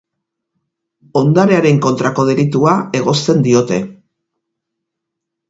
Ondarearen kontrako delitua egozten diote.